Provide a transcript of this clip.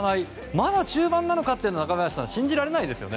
まだ中盤なのかっていうのが中林さん、信じられないですね。